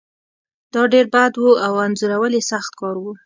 دا ډیر بد و او انځورول یې سخت کار و